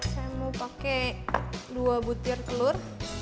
saya mau pakai dua butir telur